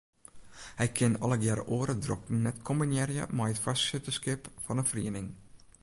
Hij kin allegear oare drokten net kombinearje mei it foarsitterskip fan 'e feriening.